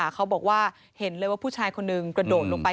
เขาบอกว่าเห็นเลยว่าผู้ชายคนหนึ่งกระโดดลงไป